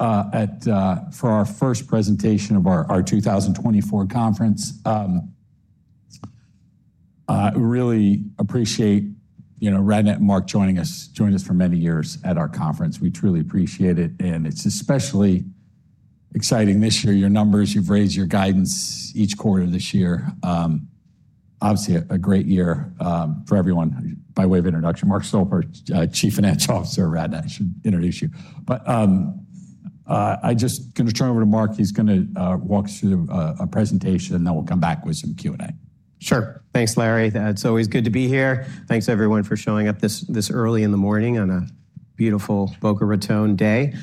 And for our first presentation of our 2024 conference, we really appreciate RadNet, Mark, joining us for many years at our conference. We truly appreciate it, and it's especially exciting this year. Your numbers, you've raised your guidance each quarter this year. Obviously, a great year for everyone. By way of introduction, Mark Stolper, Chief Financial Officer of RadNet. I should introduce you, I'm just going to turn it over to Mark. He's going to walk us through a presentation, and then we'll come back with some Q&A. Sure. Thanks, Larry. It's always good to be here. Thanks, everyone, for showing up this early in the morning on a beautiful Boca Raton day.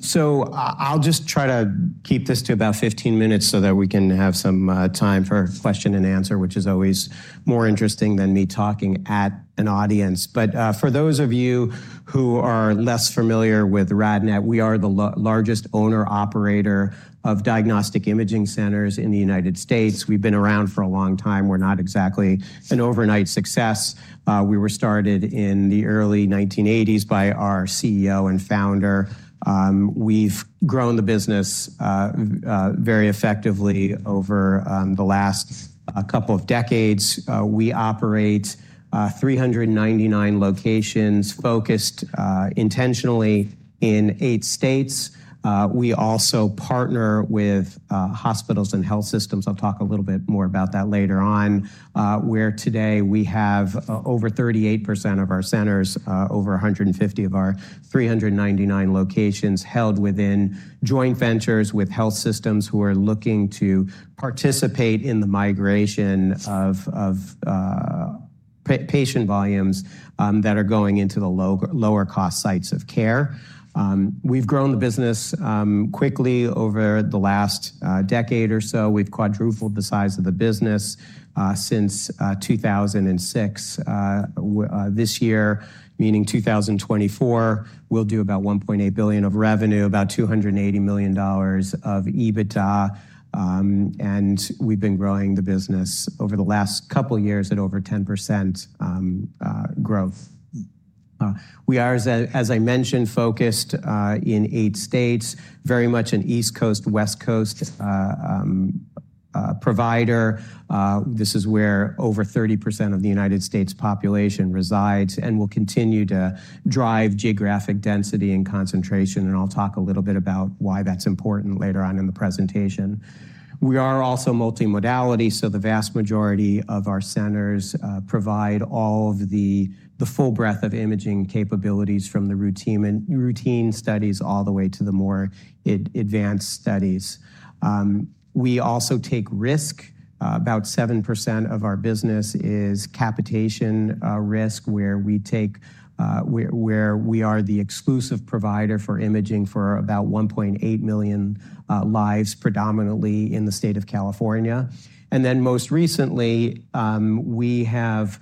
So I'll just try to keep this to about 15 minutes so that we can have some time for question-and-answer, which is always more interesting than me talking at an audience. But for those of you who are less familiar with RadNet, we are the largest owner-operator of diagnostic imaging centers in the United States. We've been around for a long time. We're not exactly an overnight success. We were started in the early 1980s by our CEO and founder. We've grown the business very effectively over the last couple of decades. We operate 399 locations focused intentionally in eight states. We also partner with hospitals and health systems. I'll talk a little bit more about that later on, where today we have over 38% of our centers, over 150 of our 399 locations held within joint ventures with health systems who are looking to participate in the migration of patient volumes that are going into the lower-cost sites of care. We've grown the business quickly over the last decade or so. We've quadrupled the size of the business since 2006. This year, meaning 2024, we'll do about $1.8 billion of revenue, about $280 million of EBITDA. And we've been growing the business over the last couple of years at over 10% growth. We are, as I mentioned, focused in eight states, very much an East Coast, West Coast provider. This is where over 30% of the United States population resides and will continue to drive geographic density and concentration. I'll talk a little bit about why that's important later on in the presentation. We are also multimodality, so the vast majority of our centers provide all of the full breadth of imaging capabilities from the routine studies all the way to the more advanced studies. We also take risk. About 7% of our business is capitation risk, where we are the exclusive provider for imaging for about 1.8 million lives, predominantly in the state of California. Most recently, we have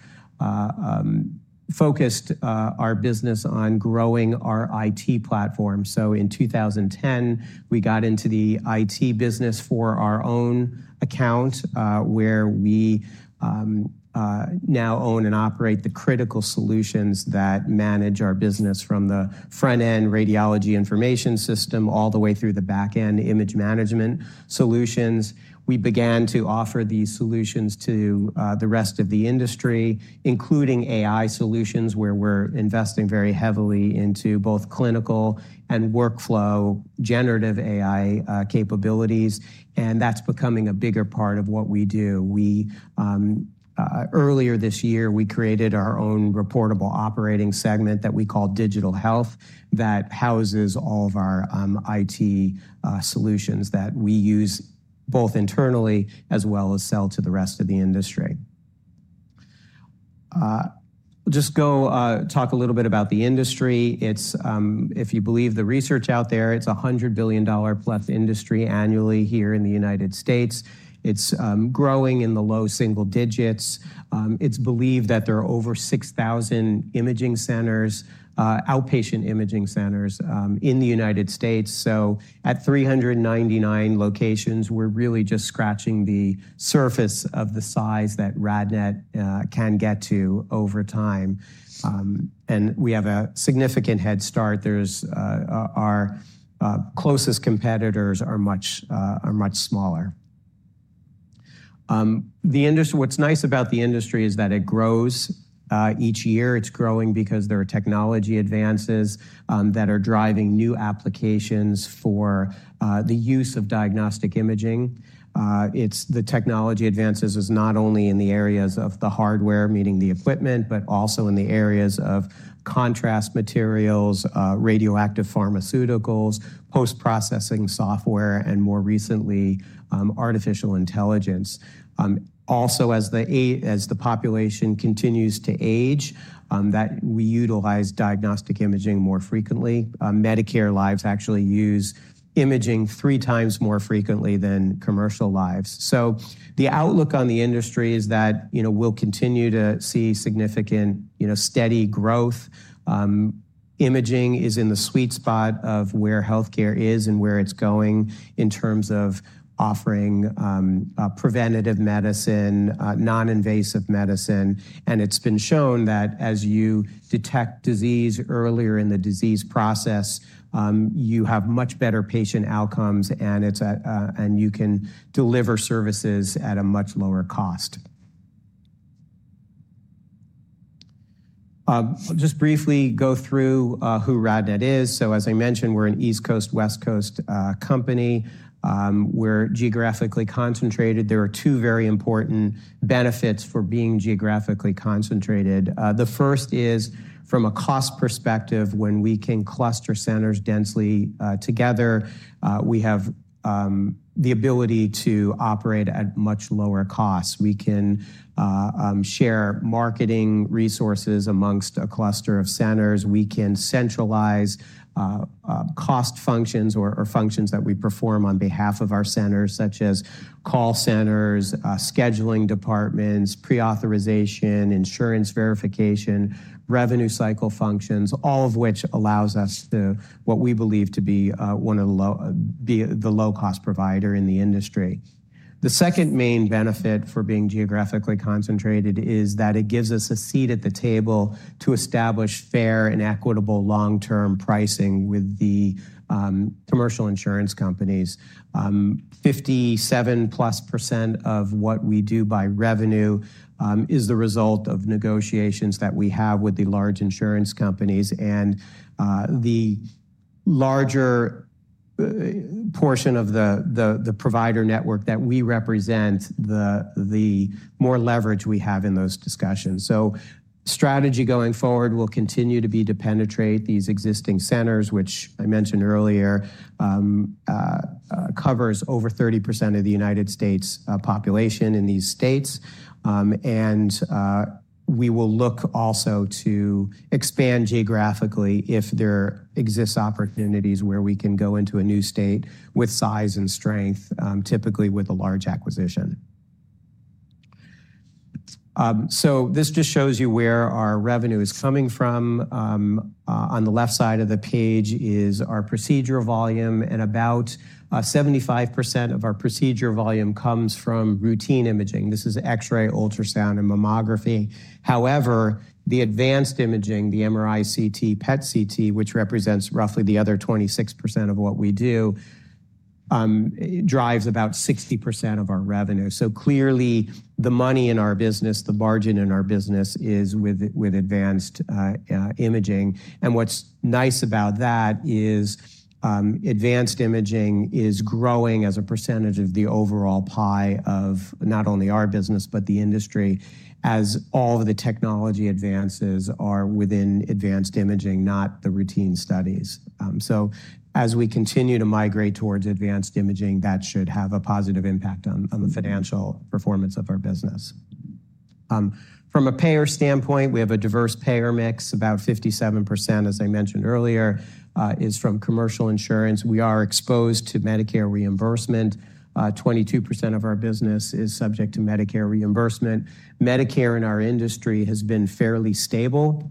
focused our business on growing our IT platform. In 2010, we got into the IT business for our own account, where we now own and operate the critical solutions that manage our business from the front-end radiology information system all the way through the back-end image management solutions. We began to offer these solutions to the rest of the industry, including AI solutions, where we're investing very heavily into both clinical and workflow generative AI capabilities. And that's becoming a bigger part of what we do. Earlier this year, we created our own reportable operating segment that we call Digital Health that houses all of our IT solutions that we use both internally as well as sell to the rest of the industry. I'll just go talk a little bit about the industry. If you believe the research out there, it's a $100 billion-plus industry annually here in the United States. It's growing in the low single digits. It's believed that there are over 6,000 imaging centers, outpatient imaging centers in the United States. So at 399 locations, we're really just scratching the surface of the size that RadNet can get to over time. We have a significant head start. Our closest competitors are much smaller. What's nice about the industry is that it grows each year. It's growing because there are technology advances that are driving new applications for the use of diagnostic imaging. The technology advances are not only in the areas of the hardware, meaning the equipment, but also in the areas of contrast materials, radioactive pharmaceuticals, post-processing software, and more recently, artificial intelligence. Also, as the population continues to age, we utilize diagnostic imaging more frequently. Medicare lives actually use imaging three times more frequently than commercial lives. The outlook on the industry is that we'll continue to see significant, steady growth. Imaging is in the sweet spot of where healthcare is and where it's going in terms of offering preventative medicine, non-invasive medicine. And it's been shown that as you detect disease earlier in the disease process, you have much better patient outcomes, and you can deliver services at a much lower cost. I'll just briefly go through who RadNet is. So as I mentioned, we're an East Coast, West Coast company. We're geographically concentrated. There are two very important benefits for being geographically concentrated. The first is, from a cost perspective, when we can cluster centers densely together, we have the ability to operate at much lower costs. We can share marketing resources among a cluster of centers. We can centralize cost functions or functions that we perform on behalf of our centers, such as call centers, scheduling departments, pre-authorization, insurance verification, revenue cycle functions, all of which allows us what we believe to be one of the low-cost providers in the industry. The second main benefit for being geographically concentrated is that it gives us a seat at the table to establish fair and equitable long-term pricing with the commercial insurance companies. 57+% of what we do by revenue is the result of negotiations that we have with the large insurance companies. And the larger portion of the provider network that we represent, the more leverage we have in those discussions. So strategy going forward will continue to be to penetrate these existing centers, which I mentioned earlier covers over 30% of the United States population in these states. And we will look also to expand geographically if there exist opportunities where we can go into a new state with size and strength, typically with a large acquisition. So this just shows you where our revenue is coming from. On the left side of the page is our procedure volume. About 75% of our procedure volume comes from routine imaging. This is X-ray, ultrasound, and mammography. However, the advanced imaging, the MRI, CT, PET/CT, which represents roughly the other 26% of what we do, drives about 60% of our revenue. Clearly, the money in our business, the margin in our business is with advanced imaging. What's nice about that is advanced imaging is growing as a percentage of the overall pie of not only our business, but the industry, as all of the technology advances are within advanced imaging, not the routine studies. As we continue to migrate towards advanced imaging, that should have a positive impact on the financial performance of our business. From a payer standpoint, we have a diverse payer mix. About 57%, as I mentioned earlier, is from commercial insurance. We are exposed to Medicare reimbursement. 22% of our business is subject to Medicare reimbursement. Medicare in our industry has been fairly stable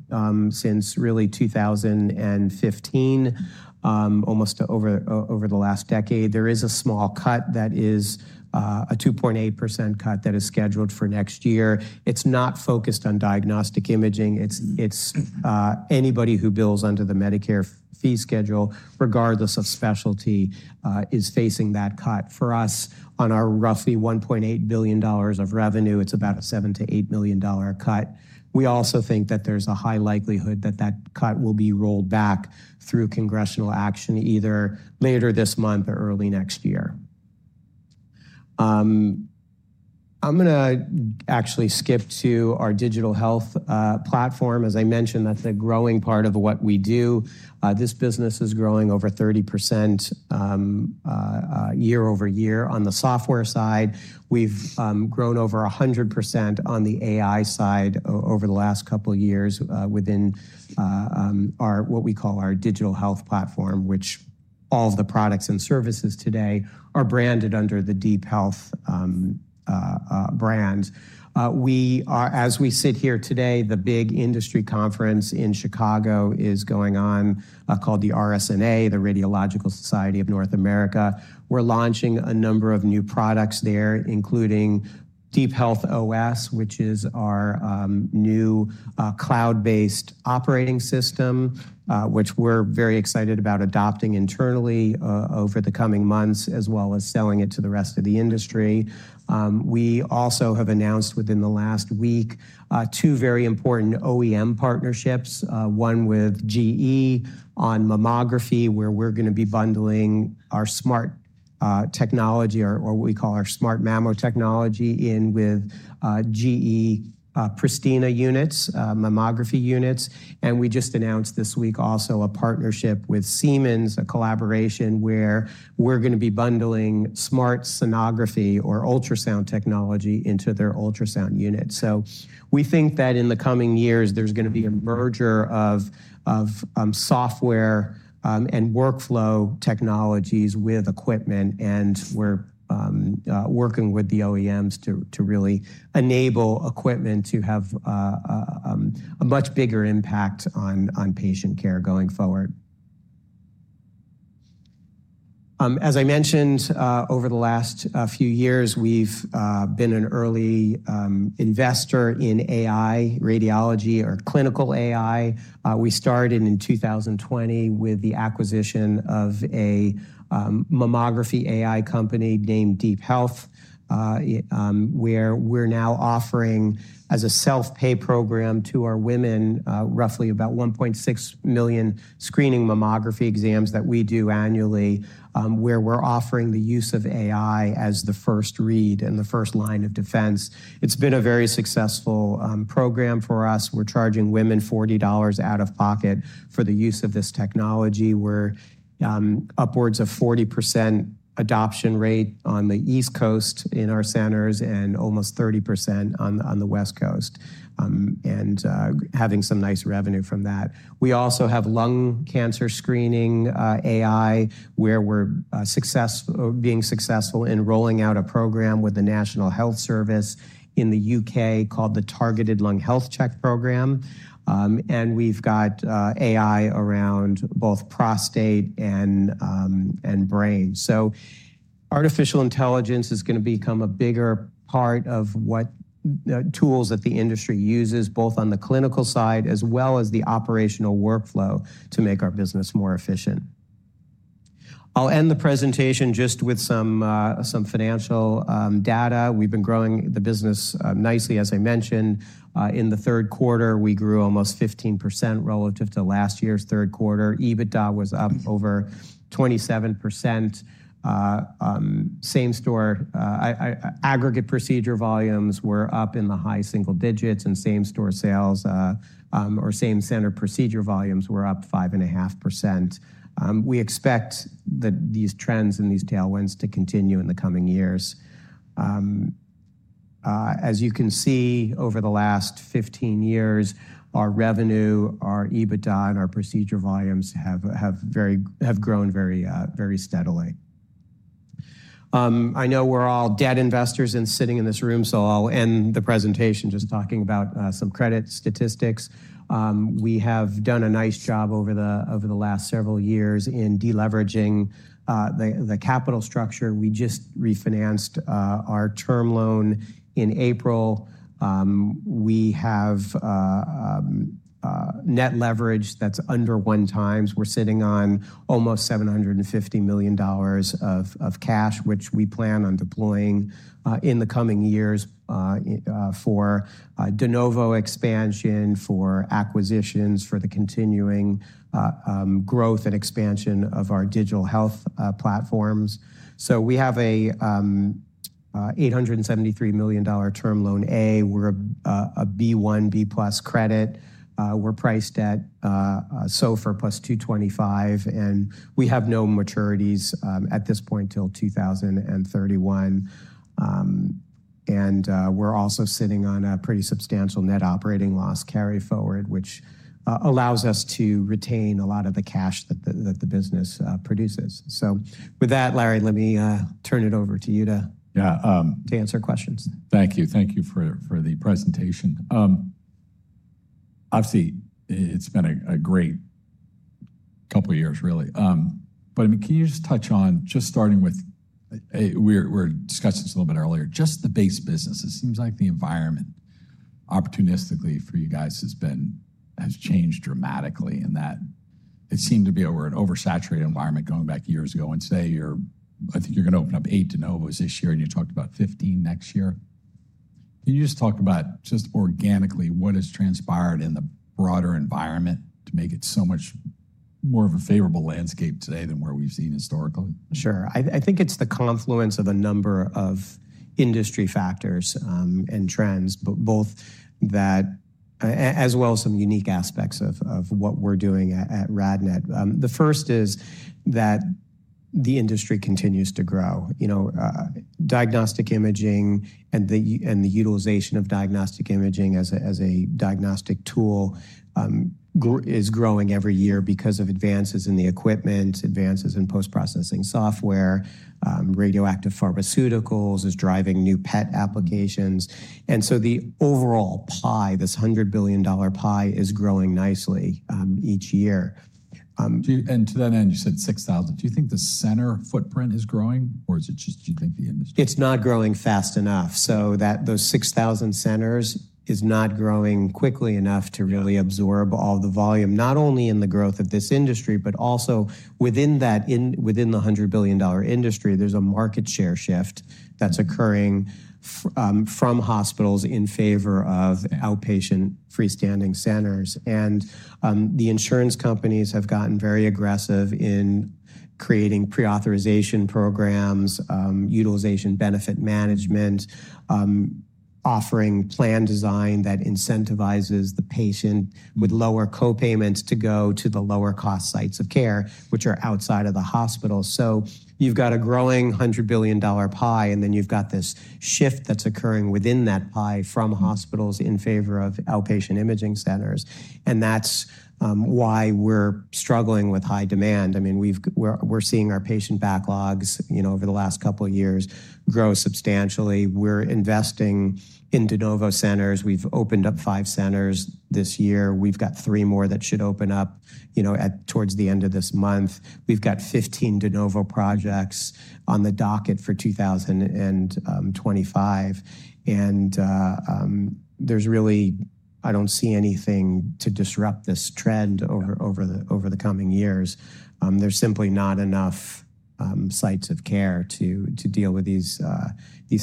since really 2015, almost over the last decade. There is a small cut that is a 2.8% cut that is scheduled for next year. It's not focused on diagnostic imaging. It's anybody who bills under the Medicare fee schedule, regardless of specialty, is facing that cut. For us, on our roughly $1.8 billion of revenue, it's about a $7 million-$8 million cut. We also think that there's a high likelihood that that cut will be rolled back through congressional action either later this month or early next year. I'm going to actually skip to our digital health platform. As I mentioned, that's a growing part of what we do. This business is growing over 30% year-over-year. On the software side, we've grown over 100% on the AI side over the last couple of years within what we call our digital health platform, which all of the products and services today are branded under the DeepHealth brand. As we sit here today, the big industry conference in Chicago is going on called the RSNA, the Radiological Society of North America. We're launching a number of new products there, including DeepHealth OS, which is our new cloud-based operating system, which we're very excited about adopting internally over the coming months, as well as selling it to the rest of the industry. We also have announced within the last week two very important OEM partnerships, one with GE on mammography, where we're going to be bundling our smart technology, or what we call our SmartMammo technology, in with GE Pristina units, mammography units. And we just announced this week also a partnership with Siemens, a collaboration where we're going to be bundling SmartSonography or ultrasound technology into their ultrasound unit. So we think that in the coming years, there's going to be a merger of software and workflow technologies with equipment. And we're working with the OEMs to really enable equipment to have a much bigger impact on patient care going forward. As I mentioned, over the last few years, we've been an early investor in AI radiology or clinical AI. We started in 2020 with the acquisition of a mammography AI company named DeepHealth, where we're now offering, as a self-pay program to our women, roughly about 1.6 million screening mammography exams that we do annually, where we're offering the use of AI as the first read and the first line of defense. It's been a very successful program for us. We're charging women $40 out of pocket for the use of this technology. We're upwards of 40% adoption rate on the East Coast in our centers and almost 30% on the West Coast, and having some nice revenue from that. We also have lung cancer screening AI, where we're being successful in rolling out a program with the National Health Service in the U.K. called the Targeted Lung Health Check Program, and we've got AI around both prostate and brain, so artificial intelligence is going to become a bigger part of what tools that the industry uses, both on the clinical side as well as the operational workflow, to make our business more efficient. I'll end the presentation just with some financial data. We've been growing the business nicely. As I mentioned, in the third quarter, we grew almost 15% relative to last year's third quarter. EBITDA was up over 27%. Same store aggregate procedure volumes were up in the high single digits, and same store sales or same center procedure volumes were up 5.5%. We expect that these trends and these tailwinds to continue in the coming years. As you can see, over the last 15 years, our revenue, our EBITDA, and our procedure volumes have grown very steadily. I know we're all debt investors sitting in this room, so I'll end the presentation just talking about some credit statistics. We have done a nice job over the last several years in deleveraging the capital structure. We just refinanced our term loan in April. We have net leverage that's under one times. We're sitting on almost $750 million of cash, which we plan on deploying in the coming years for de novo expansion, for acquisitions, for the continuing growth and expansion of our digital health platforms. So we have a $873 million Term Loan A. We're a B1/B+ credit. We're priced at SOFR plus 225, and we have no maturities at this point till 2031. And we're also sitting on a pretty substantial net operating loss carry forward, which allows us to retain a lot of the cash that the business produces. So with that, Larry, let me turn it over to you to answer questions. Thank you. Thank you for the presentation. Obviously, it's been a great couple of years, really. But I mean, can you just touch on, just starting with we were discussing this a little bit earlier, just the base business. It seems like the environment opportunistically for you guys has changed dramatically in that it seemed to be an oversaturated environment going back years ago. And, say, I think you're going to open up eight de novos this year, and you talked about 15 next year. Can you just talk about just organically what has transpired in the broader environment to make it so much more of a favorable landscape today than where we've seen historically? Sure. I think it's the confluence of a number of industry factors and trends, both that as well as some unique aspects of what we're doing at RadNet. The first is that the industry continues to grow. Diagnostic imaging and the utilization of diagnostic imaging as a diagnostic tool is growing every year because of advances in the equipment, advances in post-processing software. Radiopharmaceuticals is driving new PET applications. And so the overall pie, this $100 billion pie, is growing nicely each year. And to that end, you said 6,000. Do you think the center footprint is growing, or is it just, do you think the industry? It's not growing fast enough. So those 6,000 centers is not growing quickly enough to really absorb all the volume, not only in the growth of this industry, but also within the $100 billion industry, there's a market share shift that's occurring from hospitals in favor of outpatient freestanding centers. And the insurance companies have gotten very aggressive in creating pre-authorization programs, utilization benefit management, offering plan design that incentivizes the patient with lower co-payments to go to the lower-cost sites of care, which are outside of the hospital. You've got a growing $100 billion pie, and then you've got this shift that's occurring within that pie from hospitals in favor of outpatient imaging centers. That's why we're struggling with high demand. I mean, we're seeing our patient backlogs over the last couple of years grow substantially. We're investing in de novo centers. We've opened up five centers this year. We've got three more that should open up towards the end of this month. We've got 15 de novo projects on the docket for 2025. There's really, I don't see anything to disrupt this trend over the coming years. There's simply not enough sites of care to deal with these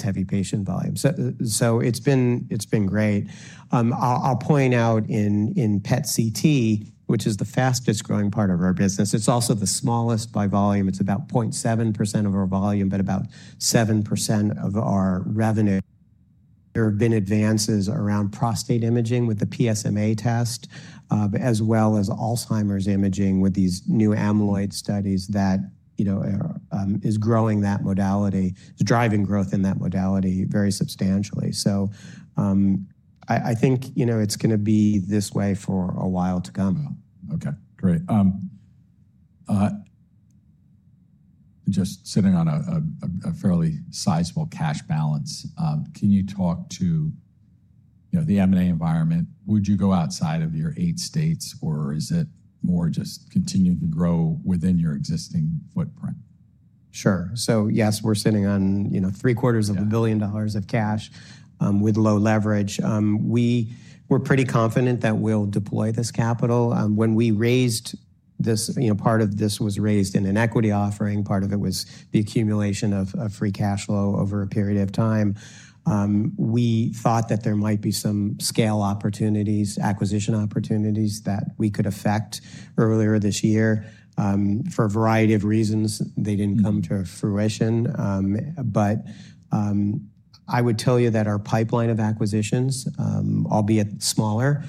heavy patient volumes. It's been great. I'll point out in PET/CT, which is the fastest growing part of our business, it's also the smallest by volume. It's about 0.7% of our volume, but about 7% of our revenue. There have been advances around prostate imaging with the PSMA test, as well as Alzheimer's imaging with these new amyloid studies that is growing that modality, is driving growth in that modality very substantially. So I think it's going to be this way for a while to come. Okay. Great. Just sitting on a fairly sizable cash balance, can you talk to the M&A environment? Would you go outside of your eight states, or is it more just continuing to grow within your existing footprint? Sure. So yes, we're sitting on $750 million of cash with low leverage. We're pretty confident that we'll deploy this capital. When we raised this, part of this was raised in an equity offering. Part of it was the accumulation of free cash flow over a period of time. We thought that there might be some scale opportunities, acquisition opportunities that we could affect earlier this year for a variety of reasons. They didn't come to fruition. But I would tell you that our pipeline of acquisitions, albeit smaller,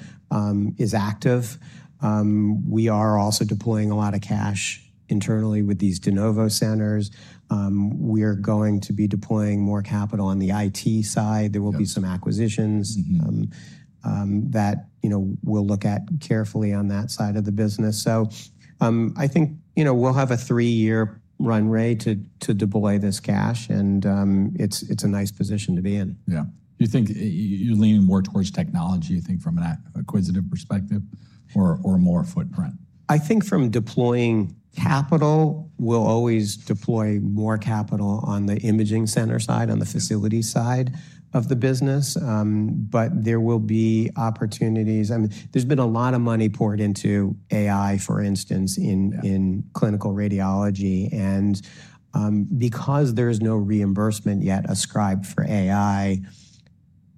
is active. We are also deploying a lot of cash internally with these de novo centers. We are going to be deploying more capital on the IT side. There will be some acquisitions that we'll look at carefully on that side of the business. So I think we'll have a three-year runway to deploy this cash, and it's a nice position to be in. Yeah. You think you're leaning more towards technology, you think, from an acquisitive perspective, or more footprint? I think from deploying capital, we'll always deploy more capital on the imaging center side, on the facility side of the business. But there will be opportunities. I mean, there's been a lot of money poured into AI, for instance, in clinical radiology. And because there is no reimbursement yet ascribed for AI,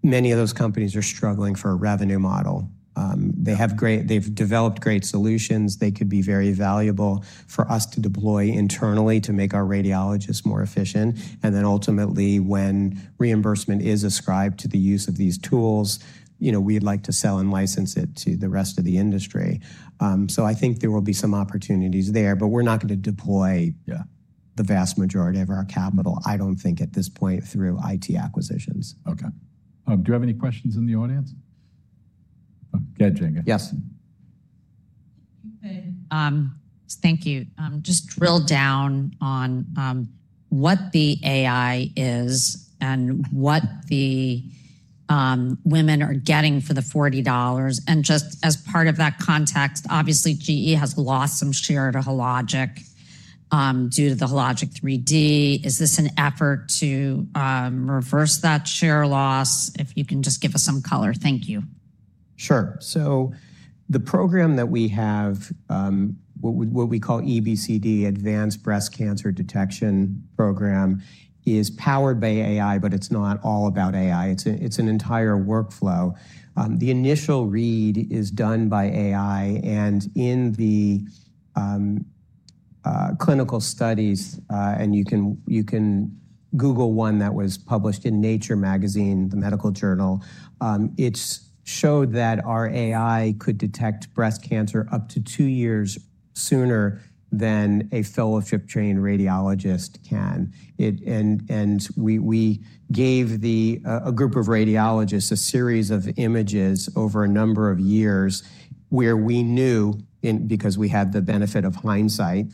many of those companies are struggling for a revenue model. They've developed great solutions. They could be very valuable for us to deploy internally to make our radiologists more efficient. And then ultimately, when reimbursement is ascribed to the use of these tools, we'd like to sell and license it to the rest of the industry. So I think there will be some opportunities there, but we're not going to deploy the vast majority of our capital, I don't think, at this point through IT acquisitions. Okay. Do you have any questions in the audience? Go ahead, Jing He. Yes. Thank you. Just drill down on what the AI is and what the women are getting for the $40? Just as part of that context, obviously, GE has lost some share to Hologic due to the Hologic 3D. Is this an effort to reverse that share loss? If you can just give us some color. Thank you. Sure. So the program that we have, what we call EBCD, Enhanced Breast Cancer Detection Program, is powered by AI, but it's not all about AI. It's an entire workflow. The initial read is done by AI. And in the clinical studies, and you can Google one that was published in Nature magazine, the medical journal, it showed that our AI could detect breast cancer up to two years sooner than a fellowship-trained radiologist can. And we gave a group of radiologists a series of images over a number of years where we knew, because we had the benefit of hindsight,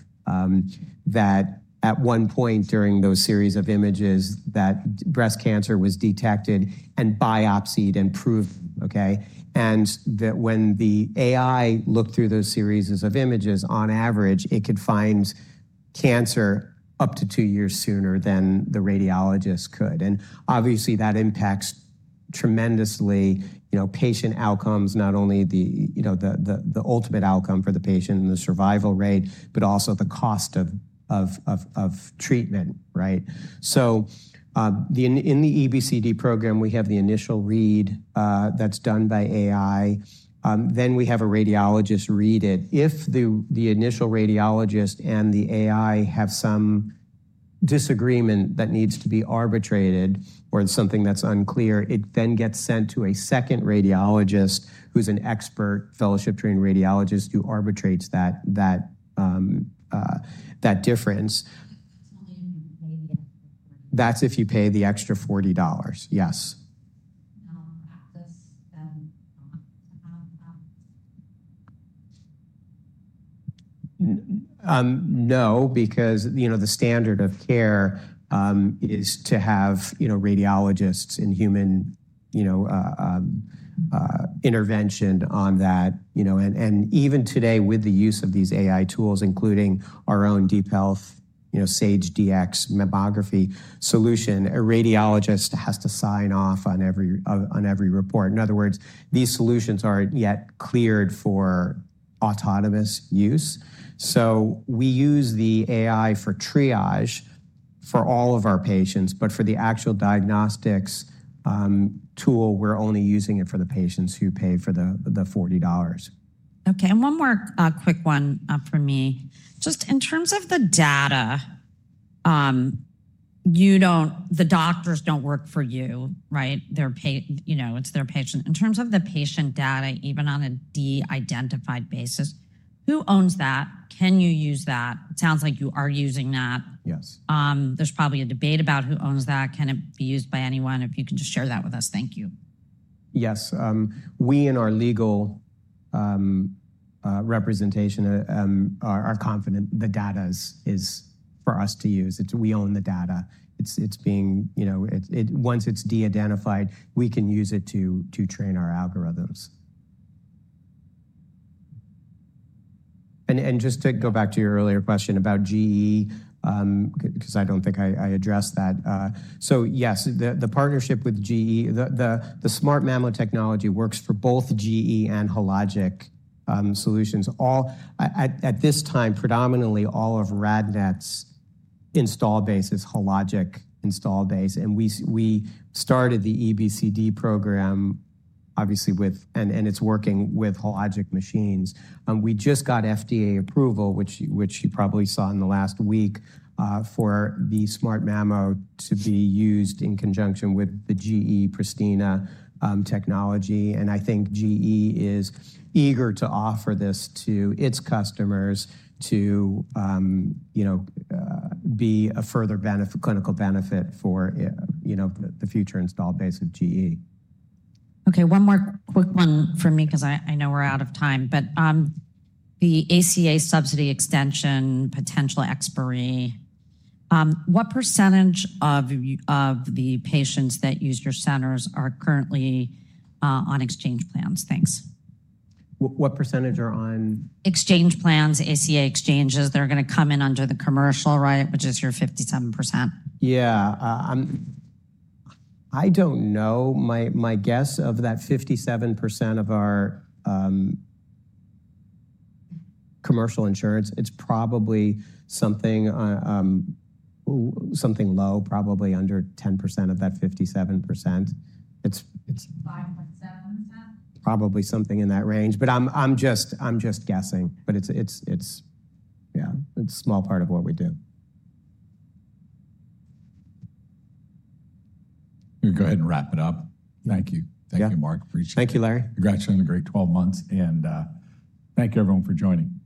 that at one point during those series of images, that breast cancer was detected and biopsied and proved. Okay? And when the AI looked through those series of images, on average, it could find cancer up to two years sooner than the radiologist could. And obviously, that impacts tremendously patient outcomes, not only the ultimate outcome for the patient and the survival rate, but also the cost of treatment. Right? So in the EBCD program, we have the initial read that's done by AI. Then we have a radiologist read it. If the initial radiologist and the AI have some disagreement that needs to be arbitrated or something that's unclear, it then gets sent to a second radiologist who's an expert, fellowship-trained radiologist who arbitrates that difference. That's if you pay the extra $40. That's if you pay the extra $40. Yes. Now, practice them not to have? No, because the standard of care is to have radiologists in human intervention on that. And even today, with the use of these AI tools, including our own DeepHealth Saige-Dx mammography solution, a radiologist has to sign off on every report. In other words, these solutions aren't yet cleared for autonomous use. So we use the AI for triage for all of our patients, but for the actual diagnostics tool, we're only using it for the patients who pay for the $40. Okay. And one more quick one for me. Just in terms of the data, the doctors don't work for you, right? It's their patient. In terms of the patient data, even on a de-identified basis, who owns that? Can you use that? It sounds like you are using that. There's probably a debate about who owns that. Can it be used by anyone? If you can just share that with us. Thank you. Yes. We and our legal representation are confident the data is for us to use. We own the data. Once it's de-identified, we can use it to train our algorithms. Just to go back to your earlier question about GE, because I don't think I addressed that. So yes, the partnership with GE, the SmartMammo technology works for both GE and Hologic solutions. At this time, predominantly, all of RadNet's installed base is Hologic installed base. We started the EBCD program, obviously. It's working with Hologic machines. We just got FDA approval, which you probably saw in the last week, for the SmartMammo to be used in conjunction with the GE Pristina technology. I think GE is eager to offer this to its customers to be a further clinical benefit for the future installed base of GE. Okay. One more quick one for me because I know we're out of time. The ACA subsidy extension, potential expiry. What percentage of the patients that use your centers are currently on exchange plans? Thanks. What percentage are on? Exchange plans, ACA exchanges. They're going to come in under the commercial, right, which is your 57%. Yeah. I don't know. My guess of that 57% of our commercial insurance, it's probably something low, probably under 10% of that 57%. It's 5.7%? Probably something in that range. But I'm just guessing. But yeah, it's a small part of what we do. Go ahead and wrap it up. Thank you. Thank you, Mark. Appreciate it. Thank you, Larry. Congratulations on a great 12 months, and thank you, everyone, for joining.